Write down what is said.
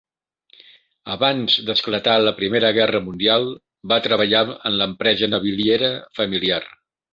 Abans d'esclatar la Primera Guerra Mundial va treballar en l'empresa naviliera familiar.